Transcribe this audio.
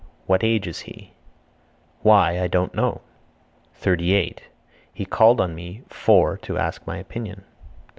What age is he? (Why) I don't know. 38. He called on me (for) to ask my opinion.